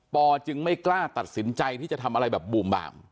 จึงไม่กล้าตัดสินใจที่จะทำอะไรแบบบูมบาม